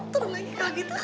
turun lagi ke aku tuh